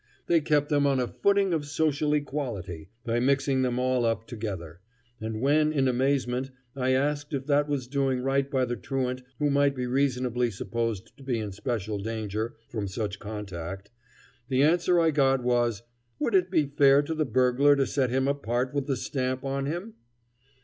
They kept them on a "footing of social equality" by mixing them all up together; and when in amazement I asked if that was doing right by the truant who might be reasonably supposed to be in special danger from such contact, the answer I got was "would it be fair to the burglar to set him apart with the stamp on him?"